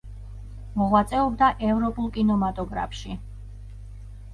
მოღვაწეობდა ევროპულ კინემატოგრაფში.